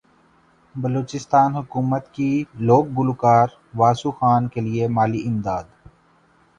بلوچستان حکومت کی لوک گلوکار واسو خان کیلئے مالی امداد